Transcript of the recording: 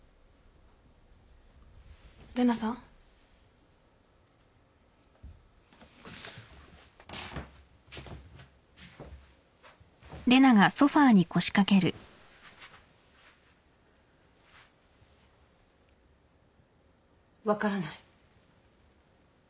玲奈さん？分からない。